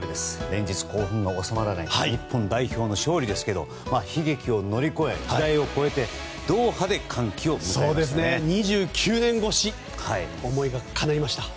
連日興奮が収まらない日本代表の勝利ですが悲劇を乗り越え、時代を超えてドーハで歓喜を迎えましたね。